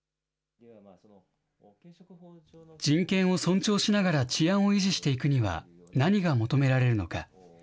人権を尊重しながら治安を維持していくには、何が求められるのか。